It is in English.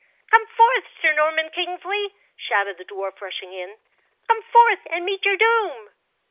"Come forth, Sir Norman Kingsley!" shouted the dwarf, rushing in. "Come forth and meet your doom!"